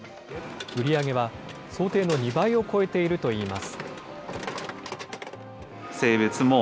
売り上げは、想定の２倍を超えているといいます。